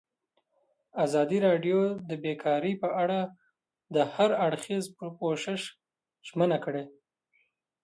ازادي راډیو د بیکاري په اړه د هر اړخیز پوښښ ژمنه کړې.